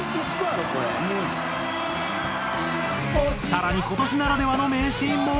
更に今年ならではの名シーンも。